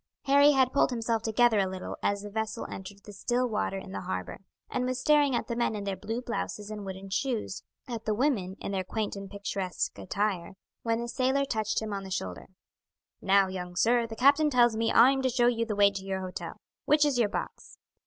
Harry had pulled himself together a little as the vessel entered the still water in the harbour, and was staring at the men in their blue blouses and wooden shoes, at the women in their quaint and picturesque attire, when a sailor touched him on the shoulder: "Now, young sir, the captain tells me I am to show you the way to your hotel. Which is your box?"